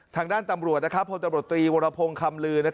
ทางด้านตำรวจพลตำรวจตรีวรพงศ์คำลือ